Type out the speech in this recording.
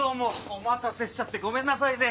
お待たせしちゃってごめんなさいね。